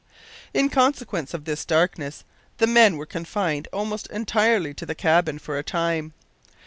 In consequence of this darkness the men were confined almost entirely to the cabin for a time.